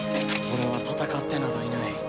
俺は戦ってなどいない。